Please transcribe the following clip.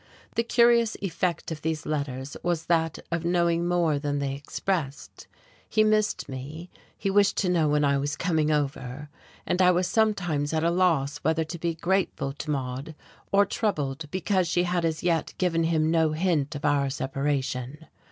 The curious effect of these letters was that of knowing more than they expressed. He missed me, he wished to know when I was coming over. And I was sometimes at a loss whether to be grateful to Maude or troubled because she had as yet given him no hint of our separation.